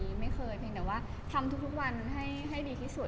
วิธีศึกษาใกล้ไม่เคยแต่ว่าทำทุกวันให้ดีที่สุด